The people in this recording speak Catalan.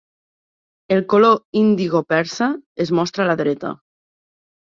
El color indigo persa es mostra a la dreta.